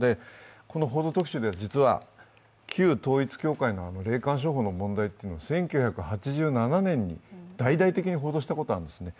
この「報道特集」では実は旧統一教会の霊感商法の問題を１９８７年に大々的に報道したことがあるんですね。